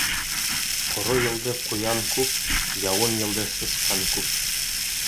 Ҡоро йылды ҡуян күп, яуын йылды сысҡан күп.